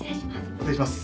失礼します。